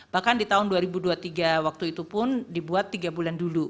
bahkan di tahun dua ribu dua puluh tiga waktu itu pun dibuat tiga bulan dulu